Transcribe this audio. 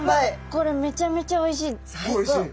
これめちゃめちゃおいしい。